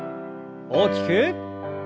大きく。